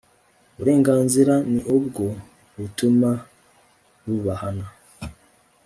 uburenganzira ni i bwo butuma bubahana